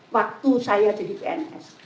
waktu saya jadi pns